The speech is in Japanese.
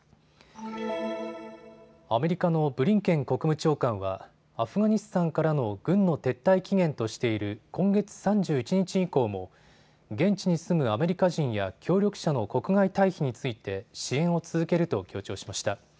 アメリカのブリンケン国務長官はアフガニスタンからの軍の撤退期限としている今月３１日以降も現地に住むアメリカ人や協力者の国外退避について支援を続けると強調しました。